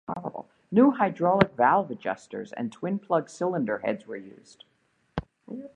New hydraulic valve adjusters and twin plug cylinder heads were used.